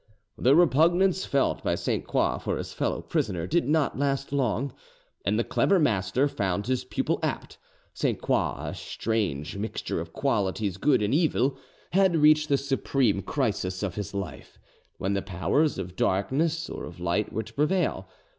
The repugnance felt by Sainte Croix for his fellow prisoner did not last long, and the clever master found his pupil apt. Sainte Croix, a strange mixture of qualities good and evil, had reached the supreme crisis of his life, when the powers of darkness or of light were to prevail.